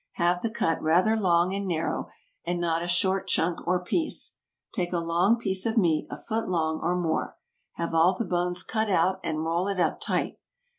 Have the cut rather long and narrow, and not a short chunk or piece. Take a long piece of meat, a foot long, or more; have all the bones cut out and roll it up tight.